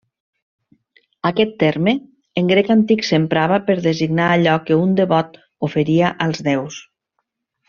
Aquest terme, en grec antic s'emprava per designar allò que un devot oferia als déus.